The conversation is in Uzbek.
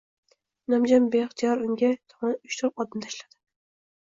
Inomjon beixtiyor unga tomon uch-to`rt odim tashladi